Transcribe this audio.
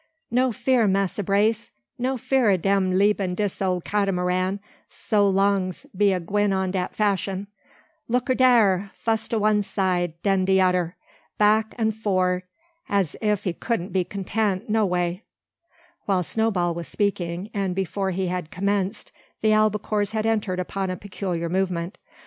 "No fear, Massa Brace, no fear o' dem leabin dis ole Cat'maran, so long's de be a gwine on dat fashion. Looker dar! Fuss to one side, den de todder, back and for'rad as ef de cudn't be content nowha." While Snowball was speaking, and before he had commenced, the albacores had entered upon a peculiar movement.